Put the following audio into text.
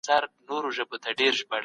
نبي کریم د ذمې په پوره کولو ټینګار کاوه.